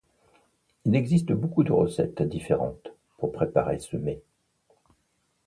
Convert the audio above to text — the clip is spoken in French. Il existe beaucoup de recettes différentes pour préparer ce mets.